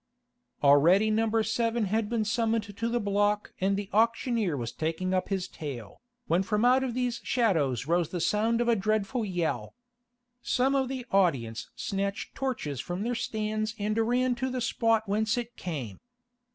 Already No. 7 had been summoned to the block and the auctioneer was taking up his tale, when from out of these shadows rose the sound of a dreadful yell. Some of the audience snatched torches from their stands and ran to the spot whence it came.